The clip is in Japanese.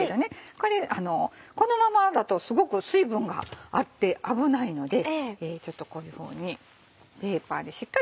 これこのままだとすごく水分があって危ないのでちょっとこういうふうにペーパーでしっかりね